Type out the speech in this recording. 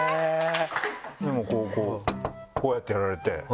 もうこうこうやってやられて。